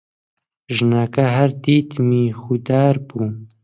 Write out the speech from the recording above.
ژنەکە هەر دیتمی خودار بوو: